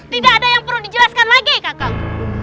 tidak ada yang perlu dijelaskan lagi kakang